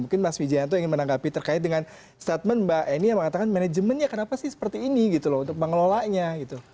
mungkin mas wijayanto ingin menanggapi terkait dengan statement mbak eni yang mengatakan manajemennya kenapa sih seperti ini gitu loh untuk mengelolanya gitu